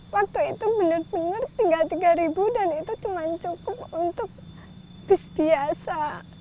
waktu itu benar benar tinggal rp tiga dan itu cuma cukup untuk bis biasa